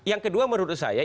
yang kedua menurut saya